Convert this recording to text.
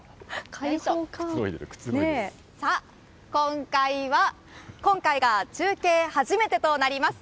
さあ、今回が中継初めてとなります。